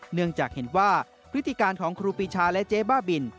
เนื่องจากเห็นว่าพฤติการของครูปีชาและเจ๊บ้าบิน